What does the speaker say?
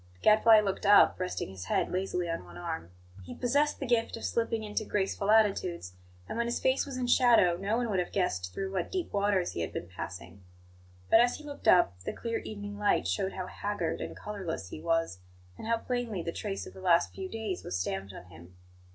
The Gadfly looked up, resting his head lazily on one arm. He possessed the gift of slipping into graceful attitudes; and when his face was in shadow no one would have guessed through what deep waters he had been passing. But, as he looked up, the clear evening light showed how haggard and colourless he was, and how plainly the trace of the last few days was stamped on him.